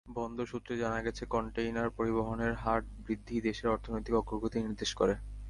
বন্দর সূত্রে জানা গেছে, কনটেইনার পরিবহনের হার বৃদ্ধি দেশের অর্থনৈতিক অগ্রগতি নির্দেশ করে।